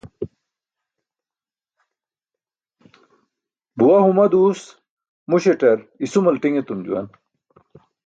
Buwaa huma duus muśaṭar isumal ṭiṅ etum juwan.